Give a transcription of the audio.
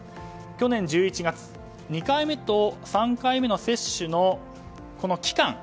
去年１１月２回目と３回目の接種の期間